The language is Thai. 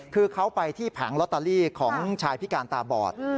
คือเขาไปที่แผงลอตเตอรี่ของชายพิการตาบอด